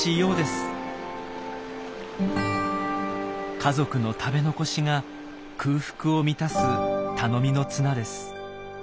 家族の食べ残しが空腹を満たす頼みの綱です。